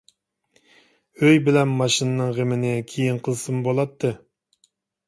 ئۆي بىلەن ماشىنىنىڭ غېمىنى كېيىن قىلسىمۇ بولاتتى.